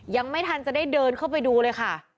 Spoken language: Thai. ยังไม่ทันจะได้เดินเข้าไปดูเลยค่ะ